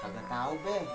gak tau be